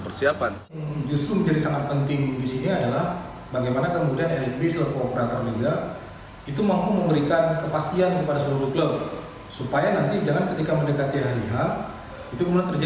bagaimana kemudian lp seluruh operator liga